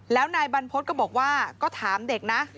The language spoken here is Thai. แล้วนายบรรพฤษก็บอกว่าก็ถามเด็กนะ